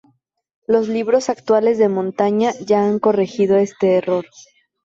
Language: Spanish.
Los libros actuales de montaña ya han corregido este error.